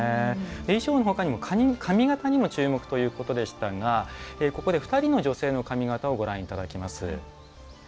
衣装の他にも髪型にも注目ということでしたがここで２人の女性の髪形をご覧いただきます。